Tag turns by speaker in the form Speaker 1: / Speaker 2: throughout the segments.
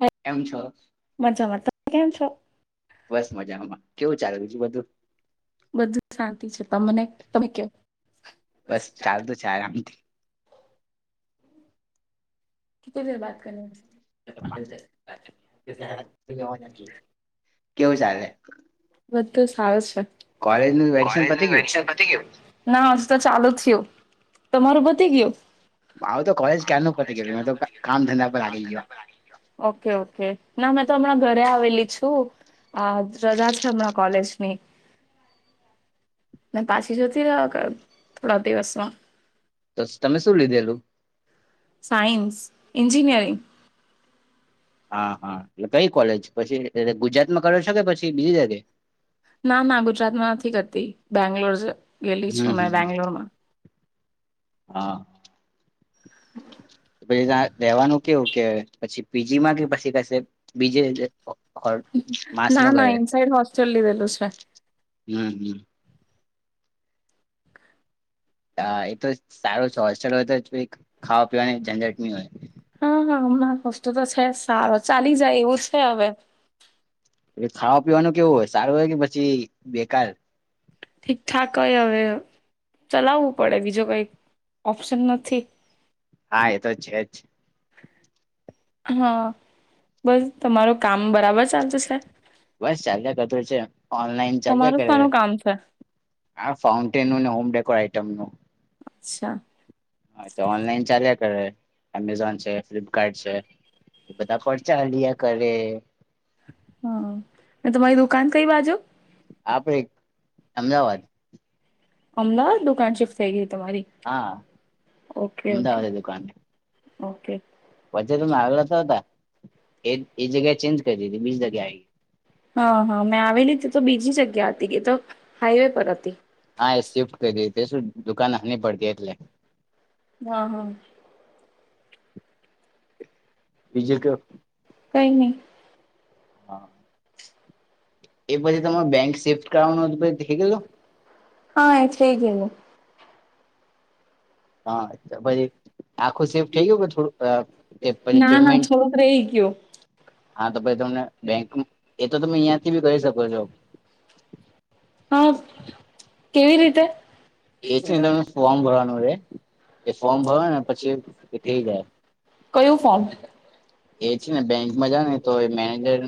Speaker 1: હ
Speaker 2: કેમ છો?
Speaker 1: મજામાં કેમ છો?
Speaker 2: બસ, મજામાં કેવું ચાલે બીજુ બધું.
Speaker 1: બધું જ શાંતિ છે. તમને તમે કે
Speaker 2: બસ ચાલતું છે આરામથી.
Speaker 1: [unintelligible]
Speaker 2: કેવું ચાલે?
Speaker 1: તો સારુ છે.
Speaker 2: કોલેજનું વેકેશન
Speaker 1: કોલેજના
Speaker 2: પતી ગયું?
Speaker 1: લેકચર પતિ ઞયો ના હજી તો ચાલુ. તમારું બધ ગયું
Speaker 2: આવું તો કોલેજ ક્યાં ન પતે ગયું મે
Speaker 1: ઓકે ઓકે ના મેં તો હમણાં ઘરે આવેલી છું આ રજા છે હમણાં કોલેજની મે પાછી જતી રહ્યા થોડા દિવસમાં
Speaker 2: તો તમે શું લીધેલું
Speaker 1: સાયન્સ એન્જિનિયરિંગ
Speaker 2: હા હા એટ કઈ કોલેજ પછી ગુજરાત માં કર છેો કે પછી બીજી જ
Speaker 1: ના ના ગુજરાતમાં નથી કરતી બેંગ્લોર ગલી
Speaker 2: હમ
Speaker 1: છું મે
Speaker 2: હમ
Speaker 1: બેંગલોુર માં
Speaker 2: હા પછી ત્યા રેવાનું ઓકે ઓકે પછી પીજી માં કે પછી કશે બીજ
Speaker 1: ના ના ઇનસાાઈડ હોસ્ટેલ લીધેલું છે
Speaker 2: હમ હમ હા એતો સારો છે હોસ્ટેલ હોય તો ખાવા પીવાની ઝંઝટની હોય
Speaker 1: વસ્તુ તો છે સારો ચાલી જાય એવું છે હવે
Speaker 2: એ ખાવા પીવાનું કેવું હોય સારું હોય કે પછી બેકાર
Speaker 1: ઠીકઠાક કય હવે ચલાવવું પડે બીજો કઈ ઓપ્શન નથી
Speaker 2: હા એ તો છે જ
Speaker 1: હા બસ તમારું કામ બરાબર ચાલત સાહેબ
Speaker 2: બસ ચલે છે ઓનલાઈન ચ
Speaker 1: તમારું શાનું કામ છે
Speaker 2: આ ફાઉન્ટેન મનું
Speaker 1: અચ્છા
Speaker 2: હા તો ઓનલાઈન ચાલ્યા કરે એમેઝોન છે ફ્લિપકાર્ટ છે એ બધા પરર્ચા્યા કરે
Speaker 1: હા અને તમારી દુકાન કઈ બાજુ
Speaker 2: આપડે અમદાવાદ
Speaker 1: અમદ દુકાન શિફ્ટ થઈ ગી
Speaker 2: હા
Speaker 1: ઓકે
Speaker 2: અમદાવાદે દુકાન
Speaker 1: ઓકે
Speaker 2: પછે ત આવળતા હતા એ એ જગ્યાએ ચેન્જ કરી દીધી બીજી જગ્યા આવી
Speaker 1: હા હા મેં આવેલી હતી તો બીજી જગ્યા હતી કે તો હાઈવે પર હતી
Speaker 2: હા એ શિફ્ટ કરી શું દુકાન ભડતી એટલે
Speaker 1: હા હા
Speaker 2: બીજ કે
Speaker 1: કઈ નહી
Speaker 2: હા. હતું પછી થઈ ગયેલું
Speaker 1: હા એે થગેલુ
Speaker 2: હાચ્છા પછ આખું સેફ થઈ ગયું? કે થોડું પછી
Speaker 1: ના ના
Speaker 2: પેમેન્ટ
Speaker 1: થોડુંક રહી ગયું
Speaker 2: હા તો પછી તમને બેંક એ તો તમે અહિયાંથી બી કરી શકો છો.
Speaker 1: હા કેવી રીતે?
Speaker 2: એ છે ને ફોર્મ ભરવાનું રહેે. એ ફોર્મ ભરો ને પછી એ થઈ જાય.
Speaker 1: કયું ફોર્મ
Speaker 2: એ છે ને બેંકમાં જાઓને તો એ મેનેજર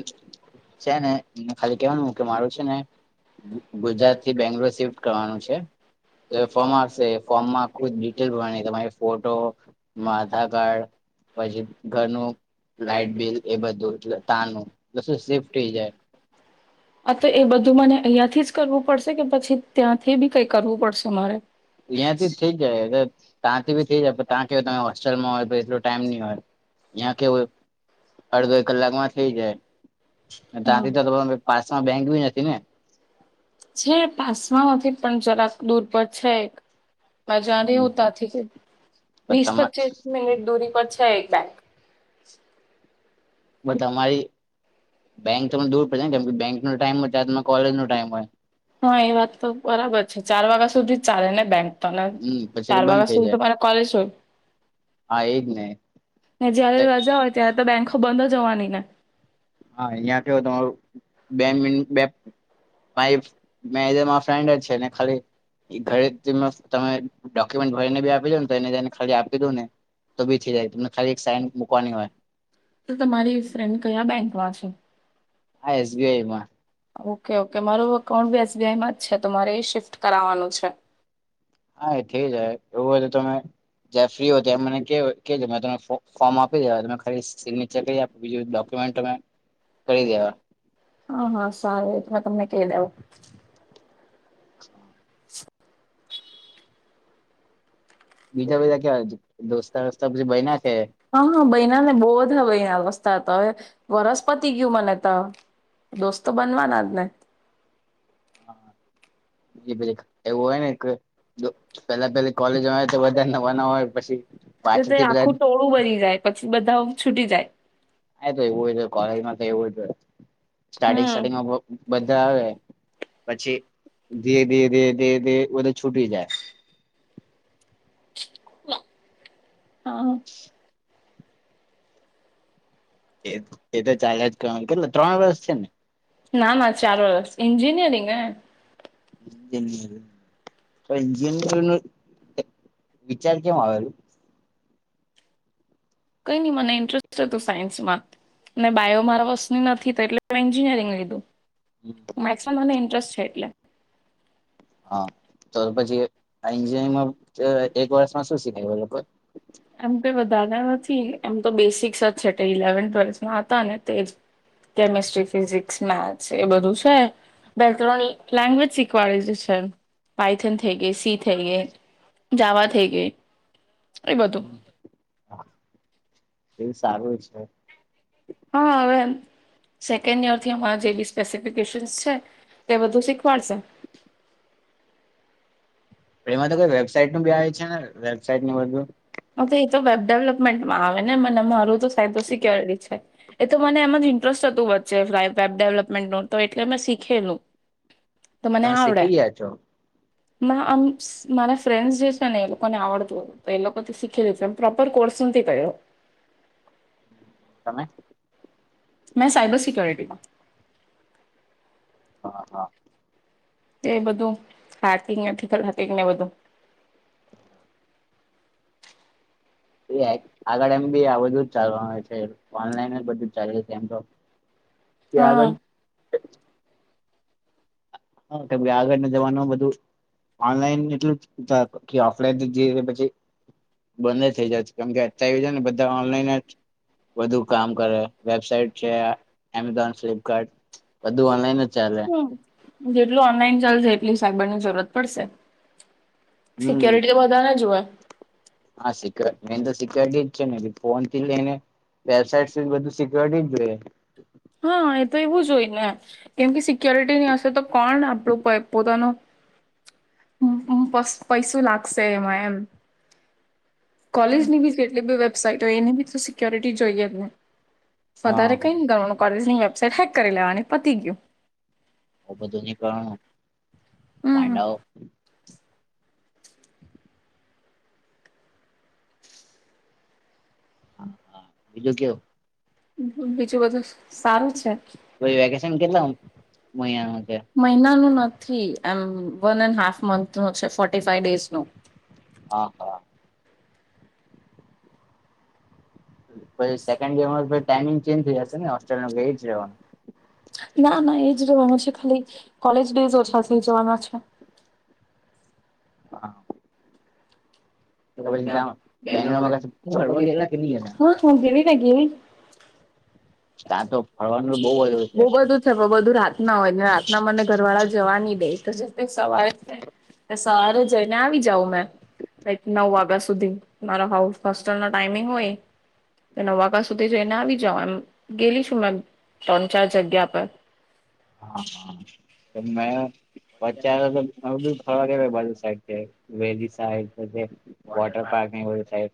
Speaker 2: છે ને એને ખાલી કેવાનું કે, મારું છે ને ગુ ગુજરાત થી બેંગ્લોર શિફ્ટ કરવાનું છે. તો એક ફોર્મ આપશે. એ ફોર્મમાં આખુ ડિટેલ ભરવાની તમારી ફોટો, આધાર કાર્ડ પછી ઘણું લાાઈટ બિલ એ બધું એટલે તાનું બસુ સેફ્ટ થઈ જાય
Speaker 1: આ તો એ બધું મને અહિયાંથી જ કરવું પડશે? કે પછી ત્યાંથી બી કઈ કરવું પડશે મારે?
Speaker 2: અહીંયાથી જ થઇ જાય હ ત્યાંથી બી થઈ જાય. પણ ત્યાં કે તમે હોસ્ટલમાં હોય, તો એટલો ટાઈમ નહી હોય
Speaker 1: [unintelligible]
Speaker 2: ત્યાં કેવું અડધો એક કલાકમાં થઈ જાય અને ત્યાંથી તો તમે પાસમાં બેંક બી નથી ને
Speaker 1: છે. પાસમાં નથી પણ જરાક દૂર પર છે એક. મે જાણી હોતા થી કે
Speaker 2: પણ
Speaker 1: બીસ
Speaker 2: તમા
Speaker 1: પચીસ મિનટ દૂરી પચ્છ એક બેંક. [inaudible]
Speaker 2: બ તમારી બેંક થોડું દૂર પડ જાય. કેમ બેંક નો ટાઈમ હોય ત્યારે તમો કોલેજનો ટાઈમ હોય
Speaker 1: હા એ વાત તો બરાબર છે. ચાર વાગ્યા સુધી ચાલેને બેંક. ત
Speaker 2: હમ પછી તો
Speaker 1: ચાર
Speaker 2: બંધ
Speaker 1: વાગ્યા
Speaker 2: થઇ
Speaker 1: સુધી
Speaker 2: જાય
Speaker 1: તો મારા કોલેજ હોય.
Speaker 2: હા એજ ને
Speaker 1: જ્યારે
Speaker 2: એટલે
Speaker 1: રજા હોય ત્યારે તો બેંક બંધ જ હોવાની ને
Speaker 2: હા અહં કેવો તમારું બે મીન બે પા મે તમારો ફ્રેન્ડ જ છેને. ખાલી ઘરે તમે ડોક્યુમેન્ટ ભરીને બી આપીજોને તો એનેને ખાલી આપી દો ને તો બી થઇ જાય તમને ખાલી એક સાઇન મૂકવાની હોય.
Speaker 1: તો તમારી ફ્રેન્ડ કયા બેંકમાં છે?
Speaker 2: હા એસબીઆઈમાં
Speaker 1: ઓકે ઓકે મારુ અકાઉન્ટ ભી એસ માજ છે તો મારે એ શિફ્ટ કરાવવાનું છે.
Speaker 2: હા એ થઈ જાય. એવું હોય તો તમે જ્યાં ફ્રી હોય ત્યા મને કેવો કેજો મે તમે ફો ફોર્મ આપી દેવા. તમે ખાલી સિગ્ને બીજા કઈ અપ બીજું ડોક્યુમેન્ટ તમે. કરી દેવા
Speaker 1: હા હા સારું એટમાં તમને. કેદેવ.
Speaker 2: [unintelligible] બીજા બધા કેવા દોસ્તા વોસ્તા પછી બયના છે
Speaker 1: [unintelligible] હા બયનાને બોલ હ અહીયાવસ્થા તો હવે વરસ પતિ ગયું મને ત દોસ્તો બનવાના જ ને.
Speaker 2: કે પેલિક એવું હોય ને એક જો પેલા પેલા કોલેજમ આવેય ત બધા નવા નવા હોય પછી
Speaker 1: તે તે
Speaker 2: પાછળથી બધા
Speaker 1: છુટી જાય.
Speaker 2: એ તો એવું હોય કોલેજમાં તો એવું જ હોય. સ્ટાર્ટિંગ
Speaker 1: હમ
Speaker 2: સ્ટાર્ટિંગમાં બધા આવે. પછી ધીરે ધી ધી ધીરે ધીરે બધું છૂટી જાય.
Speaker 1: [inaudible] હા.
Speaker 2: એ. એ તો ચાલે જ કરવાનું કેટલે ત્રણ વર્ષ છે ને.
Speaker 1: ના ના ચાર વર્ષ એન્જિનિયરિંગ ને.
Speaker 2: ઈન્જ ત એન્જિનિયરિંગ વિચાર કેવો આવેલું.
Speaker 1: કઈ નહી મને ઇન્ટરેસ્ટ હતું સાયન્સમાં અને બાયો મારા હસની નથી તો એટલે ત મે એન્જિનિયરિંગ લીધું. મેક્સ મે મને ઇન્ટરેસ્ટ છે એટલે.
Speaker 2: હા તો પછી આ એન્જિનમા એક વર્ષમાં શું શીખાવુ એ લોકોએ.
Speaker 1: એમ કઈ વધારારે નથી એમ તો બેસિક્સ જ છે ઇલેવન ટ્વેલ્થમાં હતા ને તેજ કેમેસ્ટ્રી ફિઝિક્સ ને આ છે એ બધું છે બે ત્રણ લેંગ્વેજ શીખવાડે છે પાઇથન થઈ ગઈ, સી થઈ ગઈ, જાવા થઈ ગઈ. એઈ બતું.
Speaker 2: હા એવું સારું છે.
Speaker 1: હા હવે સેકન્ડ યરથી અમારા જે સ્પેસિફિકેશન્સ છે તે બધું શીખવાડશે.
Speaker 2: એમાં તો કોઈ વેબસાાઈટ નું બી આવે છે ને. બેન સાઈટ ને બધું.
Speaker 1: હ તો એ તો વેબ ડેવલપમેન્ટમાં આવે ને મને મારું તો સાયબર સિક્યોરિટી છે એ તો મને એમાં ઇન્ટરેસ્ટ હતું વચ્ચે વેબ ડેવલપમેન્ટનું તો એટલે મેં શીખેલું. તો મને
Speaker 2: તમે
Speaker 1: આવડે
Speaker 2: શીખી ગયા છો.
Speaker 1: આમ મારા ફ્રેન્ડસ જે છે ને એ લોકોને આવડતું હતું એ લોકો ત શીખી લી દમ પ્રોપર કોર્સ નથી કયર.
Speaker 2: [inaudible]
Speaker 1: મે સાઇબર સિક્ય્યોરિટીમાં.
Speaker 2: હા હા.
Speaker 1: એ બધું હાતી નથીતી કે ને બધું.
Speaker 2: [inaudible] એ આગળ એમ બી આ બધું જ ચાલવાનું છે ઓનલાઈન બધું ચાયું. એમ તો. યાદ
Speaker 1: હા
Speaker 2: જ- હા કે આગળના જમાનો બધું ઓનલાઈન, એટલું જ ઓફલાઈન પછી. બંધ જ થઈ જત કેમકે અત્યારે આવી જાય ને બધા ઓનલાઈન જ વધુ કામ કરે. વેબસાઇટ છે એમેઝોન, ફ્લિપકાર્ટ. બધું ઓનલાઈન જ ચાલે.
Speaker 1: જેટલું ઓનલાઈન ચાલશે, એટલી શાકભાજી ની જરૂરત પડશે.
Speaker 2: હમ
Speaker 1: સિક્યુરીટી તો બધા ને જ હોય.
Speaker 2: હા, સિક્યોરિટી મે તો સિક્યોરિટી જ છે. ને ફોન થી લઈને વેબસાઇટ સુધી બધું સિક્યોરિટી જોઈએ.
Speaker 1: હા, એ તો એવું જ હોય ને, કેમ કે સિક્યોરિટીની હશે તો કોણ આપણું પોતાનું પૈસું લાગશે એમાં એમ. કોલેજની બી કેટલી બી વેબસાઈટ હોય એને બી સિક્યોરિટી જોઈએ જ ને.
Speaker 2: હા
Speaker 1: વધારે કઈ નહિં તો. કોલેજની વેબસાઈટ હેક કરી લેવાની, બીજું શું?
Speaker 2: આવુ બધુ નીકળવાનું.
Speaker 1: હમ
Speaker 2: ગાડાઓ હા, હા, બીજુ કેવ?
Speaker 1: બીજું બધું. સારું છે
Speaker 2: પછી વેકેશન કેટલા મહિનાનું છે
Speaker 1: મહિનાનું નહીં. એમ વન એન્ડ હાફ મથ નુ છે, ફોટી ફાઈવ ડેઝનુ.
Speaker 2: હા, હા. પછી સેકન્ડ ટાઈમિંગ ચેન્જ થઈ જશે ને, હોસ્ટલ માં બેસી જ રહેવાનું.
Speaker 1: ના ના, એ જ રહેવાનું છે, ખાલી કોલેજ ડે ઓછા થઈ જવાના છે.
Speaker 2: હા. તો પછી
Speaker 1: હા,
Speaker 2: ત્યાં બેંગલોરમાં કશે ફરવા ગયેલા કે નહી ગયેલા
Speaker 1: હું ગેલીને ગેલી ને.
Speaker 2: ત્યાં તો ફરવાનું બહુ બધું
Speaker 1: [unintelligible] બહુ બધું છે, પણ બધું રાત રાત ના હોયને, રાતના મને ઘરવાળા જવા ન દે તો, સવારે સવારે જઈને આવી જાઉં મેં. નવ વાગ્યા સુધી મારા હોસ્ટલ નો ટાઈમિંગ હોય તો, સવારે નવ વાગ્યા સુધી જઈને આવી જાઉં, એમ ગેલી છું મેં ત્રણ ચાર જગ્યા પર.
Speaker 2: હા, હા. મે પચાર તો બી થવા કે બાજુ સાઈડ પેલી સાઈડ વોટર પાર્ક ન હોય, સાહેબ.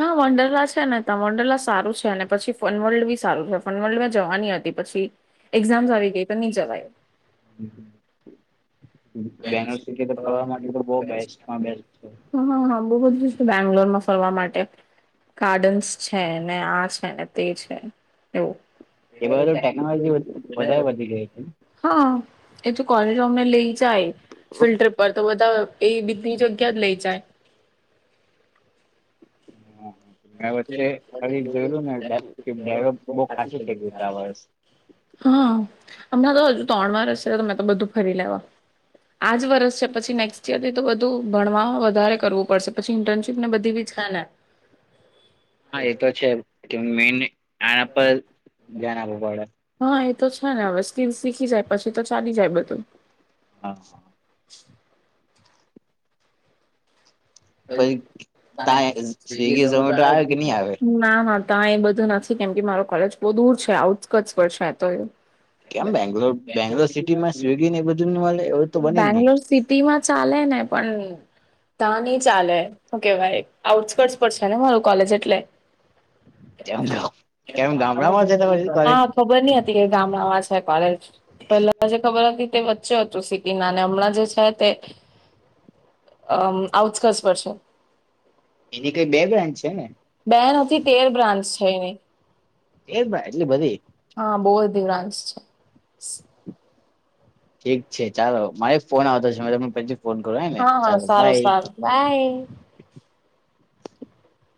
Speaker 1: હા વંડરલા છે ને, મોડલા સારું છે, અને પછી ફનવર્લ્ડ બી સારું છે. ફનવર્લ્ડ મેં જવાની હતી, પછી એક્ઝામ્સ
Speaker 2: [unintelligible]
Speaker 1: આવી ગઈ તો નહી જવાય
Speaker 2: બેનો સિટી તો ફરવા માટે તો બહ બેસ્ટમાં બેસ્ટ છે.
Speaker 1: હા હા હા બહુ બેંગ્લોરમાં ફરવા માટે ગાર્ડન્સ છે ને આ છે ને તે છે એવું
Speaker 2: એ બધું તો ટેકનોલોજી વધારે વધી ગઈ છે
Speaker 1: [unintelligible] [inaudible] હા. એ તો કર તમે લઈ જાય ફિલ્ટર પર તો બધા એ બી ની જગ્યા જ લઈ જાય. [unintelligible] [inaudible]
Speaker 2: [inaudible]
Speaker 1: હા.
Speaker 2: વચ્ચે ખાલી
Speaker 1: હમણાં
Speaker 2: જોયેલું ને ડેવલપ બહુ ખાસું થઈ ગયું છે આ વર્ષ
Speaker 1: તો હજુ ત્રણ વરષ છે તમે તો બધું ફરી લેવા આજ વરસ છે પછી નેક્સ્ટ યર થી તો બધું ભણવા વધારે કરવું પડશે પછી ઇન્ટનશ બધીવીજ ખાના
Speaker 2: હા એ તો છે કે મેન આના પર ધ્યાન આલવુ પડે.
Speaker 1: હા એ તો છે ને હવે સ્કીલ શીખી જાય પછી તો ચાલી જાય બધું
Speaker 2: હા હા.
Speaker 1: [inaudible] [unintelligible] [inaudible]
Speaker 2: પછી ત્યાં સ્વિગી ઝોમેટો આવે કે નહી આવે
Speaker 1: ના ત્યા એ બધું નથી કેમ કે મારો કોલેજ બહુ દૂર છે આઉટટ વષ તો એ
Speaker 2: કેમ બેંગ્લોર બેંગ્લોર સિટી માં સ્વિગી ને એ બધું મળે એવું તો બને નહી
Speaker 1: બેંગ્લોર સિટીમાં ચાલે ને પણ તને. ચાલે ઓકે ભાઈ આઉટકર્ટ પર છે ને મારું કોલે એટલે પ્લે
Speaker 2: કે કેમ ગામડામાં છેક કોલેજ
Speaker 1: હા ખબર નહ ગામડામાં છે કોલેજ પહેલા જે ખબર હતી તે વચ્ચે હતું સિટીના અને હમણાં જે છે તે અન પર છે
Speaker 2: એની કઈ
Speaker 1: બે બ્રાન્ચ
Speaker 2: છે ને
Speaker 1: બે નથી તેર બ્રાંચ છે એની
Speaker 2: એ એટલી બધી
Speaker 1: અ બહુ અધીરાંશ છે [inaudible]
Speaker 2: ઠીક છે ચાલો મારે ફોન આવતો છે મે તમને પછી ફોન કરો હે ને
Speaker 1: હા હા
Speaker 2: ચાલો
Speaker 1: સારું
Speaker 2: બાય
Speaker 1: સારું બાય. [inaudible]